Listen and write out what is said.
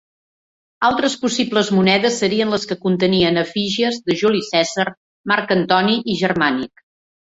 Altres possibles monedes serien les que contenien efígies de Juli Cèsar, Marc Antoni i Germànic.